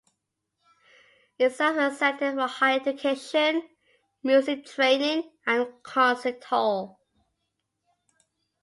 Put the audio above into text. It serves as a centre for higher education, music training, and concert hall.